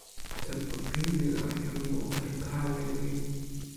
tenpo pini la jan mute li pali e ni.